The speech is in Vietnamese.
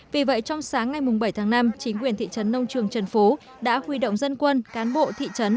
vì vậy trong sáng ngày bảy tháng năm chính quyền thị trấn nông trường trần phú đã huy động dân quân cán bộ thị trấn